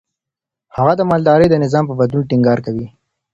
هغه د مالدارۍ د نظام په بدلون ټينګار کوي.